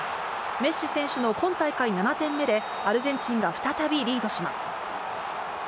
メッシ選手の今大会７点目で、アルゼンチンが再びリードします。